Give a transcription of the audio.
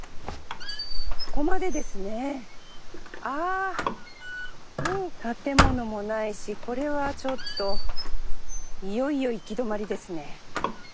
あもう建物もないしこれはちょっといよいよ行き止まりですね。